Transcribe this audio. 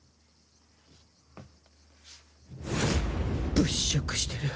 物色してる！